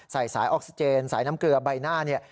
สายออกซิเจนสายน้ำเกลือใบหน้าเนี่ย